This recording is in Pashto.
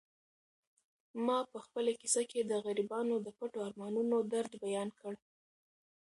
ما په خپله کیسه کې د غریبانو د پټو ارمانونو درد بیان کړ.